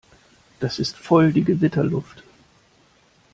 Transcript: Das ist voll die Gewitterluft.